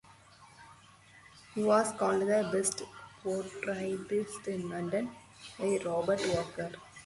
He was called the "best portraitist in London" by Robert Walker.